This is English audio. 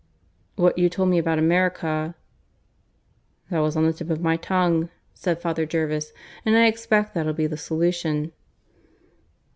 "What you told me about America " "That was on the tip of my tongue," said Father Jervis. "And I expect that'll be the solution."